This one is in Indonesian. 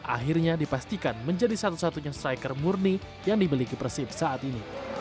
akhirnya dipastikan menjadi satu satunya striker murni yang dibeli ke persib saat ini